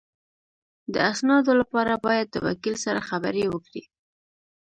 د اسنادو لپاره باید د وکیل سره خبرې وکړې